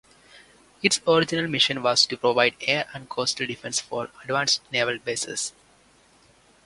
Its original mission was to provide air and coastal defense for advanced naval bases.